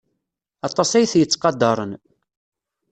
Aṭas ay t-yettqadaren.